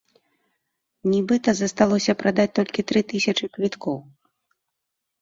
Нібыта, засталося прадаць толькі тры тысячы квіткоў.